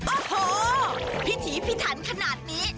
โอ้โหพิถีพิถันขนาดนี้